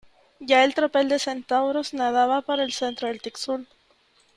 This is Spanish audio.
ya el tropel de centauros nadaba por el centro del Tixul ,